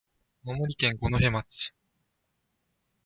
青森県五戸町